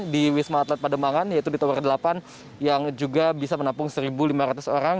di wisma atlet pademangan yaitu di tower delapan yang juga bisa menampung satu lima ratus orang